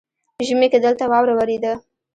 ژمي کې دلته واوره ورېده